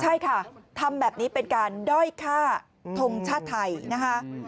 ใช่ค่ะทำแบบนี้เป็นการด้อยฆ่าทงชาติไทยนะคะ